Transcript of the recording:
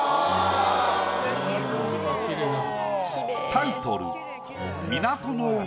タイトル